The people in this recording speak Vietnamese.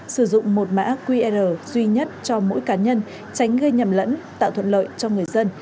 sử dụng một mã qr duy nhất cho mỗi cá nhân tránh gây nhầm lẫn tạo thuận lợi cho người dân